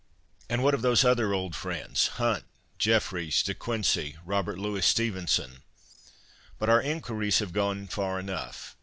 And what of those other old friends, Hunt, Jefferies, De Quincey, Robert Louis Stevenson ? But our inquiries have gone far enough.